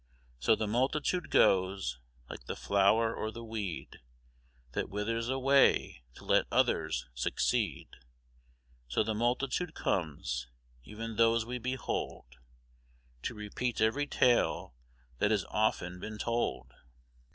] So the multitude goes, like the flower or the weed, That withers away to let others succeed; So the multitude comes, even those we behold, To repeat every tale that has often been told.